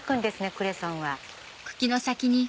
クレソンは。